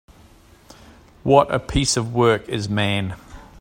[What] a piece of work [is man]